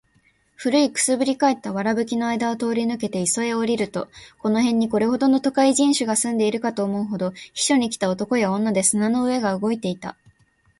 古い燻（くす）ぶり返った藁葺（わらぶき）の間あいだを通り抜けて磯（いそ）へ下りると、この辺にこれほどの都会人種が住んでいるかと思うほど、避暑に来た男や女で砂の上が動いていた。